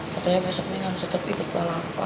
katanya besok neng harus tetep ikut palapan